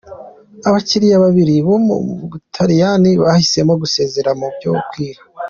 Ababikira babiri bo mu Butaliyani bahisemo gusezera mu byo kwiha.